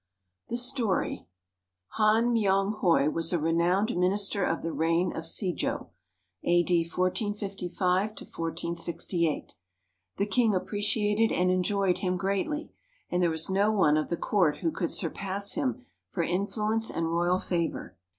] The Story Han Myong hoi was a renowned Minister of the Reign of Se jo (A.D. 1455 1468). The King appreciated and enjoyed him greatly, and there was no one of the Court who could surpass him for influence and royal favour.